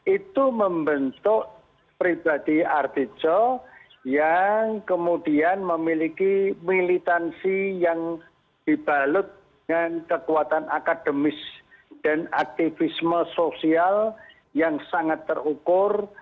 itu membentuk pribadi artikel yang kemudian memiliki militansi yang dibalut dengan kekuatan akademis dan aktivisme sosial yang sangat terukur